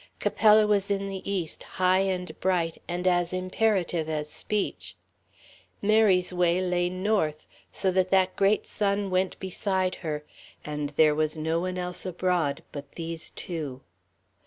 ... Capella was in the east, high and bright, and as imperative as speech. Mary's way lay north, so that that great sun went beside her, and there was no one else abroad but these two.